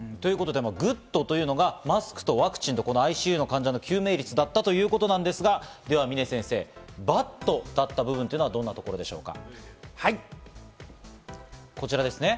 ＧｏｏｄというのがマスクとワクチンとＩＣＵの患者の救命率だったということですが、峰先生、Ｂａｄだったのはどの部分でしょうか？